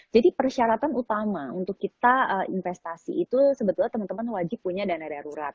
jadi persyaratan utama untuk kita investasi itu sebetulnya teman teman wajib punya dana darurat